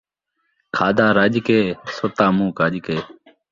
کھادا رڄ کے ، ستّا مون٘ہہ کڄ کے